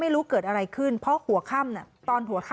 มีคนร้องบอกให้ช่วยด้วยก็เห็นภาพเมื่อสักครู่นี้เราจะได้ยินเสียงเข้ามาเลย